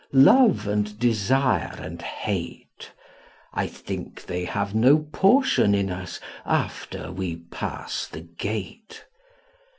Love and desire and hate: I think they have no portion in us after We pass the gate.